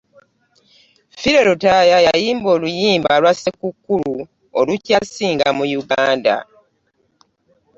Philly Lutaaya yayimba oluyimba lwa ssekukulu olukyasinga mu Uganda.